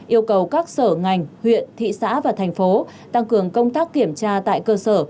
yêu cầu các sở ngành huyện thị xã và thành phố tăng cường công tác kiểm tra tại cơ sở